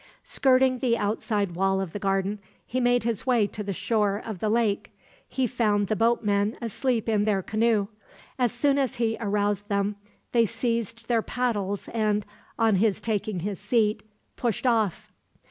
Skirting the outside wall of the garden, he made his way to the shore of the lake. He found the boatmen asleep in their canoe. As soon as he aroused them, they seized their paddles and, on his taking his seat, pushed off.